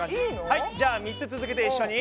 はいじゃあ３つ続けて一緒に！